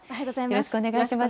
よろしくお願いします。